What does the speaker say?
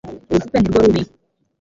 Urupfu pe ni rwo rubi